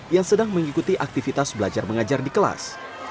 yang sedang mengikuti aktivitas belajar mengajar di kelas